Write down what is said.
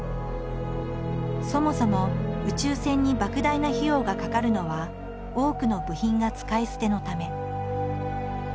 そもそも宇宙船にばく大な費用がかかるのは多くの部品が使い捨てのため。